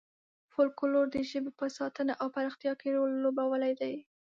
فولکلور د ژبې په ساتنه او پراختیا کې رول لوبولی دی.